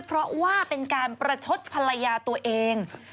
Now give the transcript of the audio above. เพราะว่าเป็นการประชดภรรยาตัวเอง